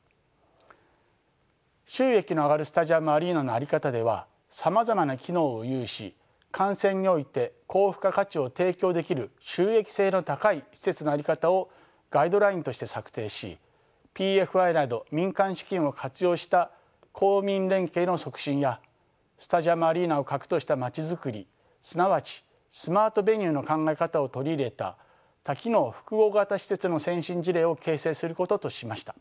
収益の上がるスタジアム・アリーナのあり方ではさまざまな機能を有し観戦において高付加価値を提供できる収益性の高い施設のあり方をガイドラインとして策定しＰＦＩなど民間資金を活用した公民連携の促進やスタジアム・アリーナを核とした街づくりすなわちスマート・ベニューの考え方を取り入れた多機能複合型施設の先進事例を形成することとしました。